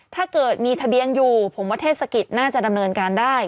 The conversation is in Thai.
ถ้าเกิดมีทะเบียนอยู่ผมว่าเทศกิจน่าจะดำเนินการได้